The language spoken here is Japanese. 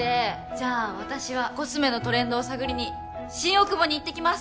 じゃあ私はコスメのトレンドを探りに新大久保に行ってきます